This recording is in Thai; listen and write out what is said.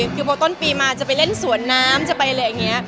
คือพอต้นปีมาจะไปเล่นสวนน้ำจะไปอะไรอย่างนี้